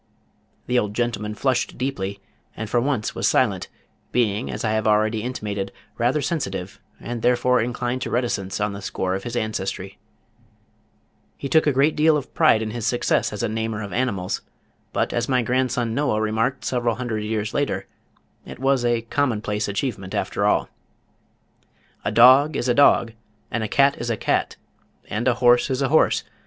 The old gentleman flushed deeply, and for once was silent, being as I have already intimated rather sensitive, and therefore inclined to reticence on the score of his ancestry. [Illustration: Adam's Dress Chart.] He took a great deal of pride in his success as a namer of animals, but as my grandson Noah remarked several hundred years later, it was a commonplace achievement after all. "A dog is a dog, and a cat is a cat, and a horse is a horse.